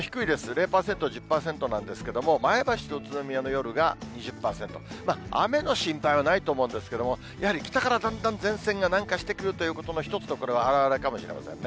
０％、１０％なんですけれども、前橋と宇都宮の夜が２０％、雨の心配はないと思うんですけれども、やはり北からだんだん前線が南下してくるということの一つのこれはあらわれかもしれませんね。